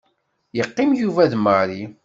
Yeqqim Yuba d Mary.